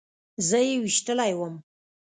زه يې ويشتلى وم.